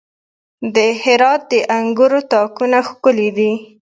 د هرات د انګورو تاکونه ښکلي دي.